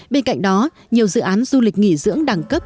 bên cạnh đó nhiều dự án du lịch nghỉ dưỡng đẳng cấp